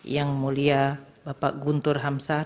yang mulia bapak guntur hamzah